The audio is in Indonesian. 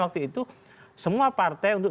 waktu itu semua partai untuk